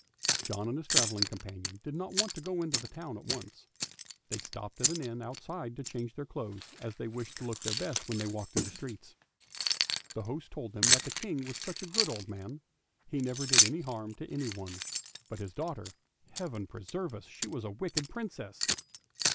John and his travelling companion did not want to go into the town at once; they stopped at an inn outside to change their clothes, as they wished to look their best when they walked through the streets. The host told them that the King was such a good old man, he never did any harm to anyone; but his daughter — Heaven preserve us! she was a wicked Princess.